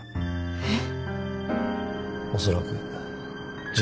えっ？